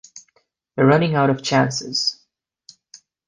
You're running out of chances'.